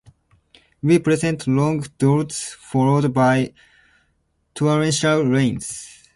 We present long drought followed by torrential rains.